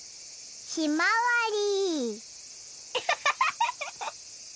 ひまわり。